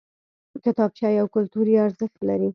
کتابچه یو کلتوري ارزښت لري